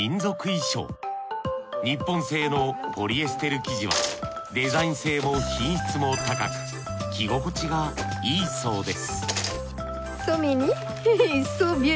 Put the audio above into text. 日本製のポリエステル生地はデザイン性も品質も高く着心地がいいそうです